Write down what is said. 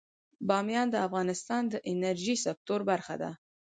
بامیان د افغانستان د انرژۍ سکتور برخه ده.